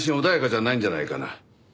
穏やかじゃないんじゃないかな。